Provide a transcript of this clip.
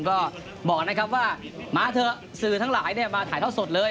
ก็บอกนะครับว่ามาเถอะสื่อทั้งหลายมาถ่ายเท่าสดเลย